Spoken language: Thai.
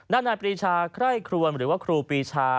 น้านนายปีชาคล้ายครวลหรือว่าครูปีชา